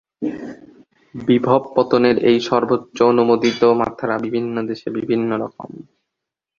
বিভব পতনের এই সর্বোচ্চ অনুমোদিত মাত্রা বিভিন্ন দেশে বিভিন্নরকম।